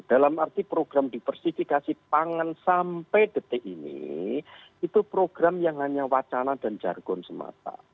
dalam arti program diversifikasi pangan sampai detik ini itu program yang hanya wacana dan jargon semata